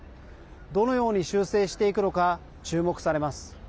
どのように修正していくのか注目されます。